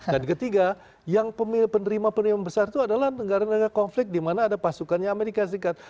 dan ketiga yang penerima penerima besar itu adalah negara negara konflik di mana ada pasukannya amerika serikat